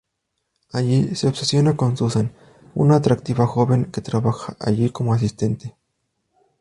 Allí se obsesiona con Susan, una atractiva joven que trabaja allí como asistente.